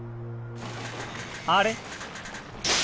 あれ？